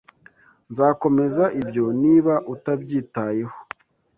Nzakomeza ibyo niba utabyitayeho.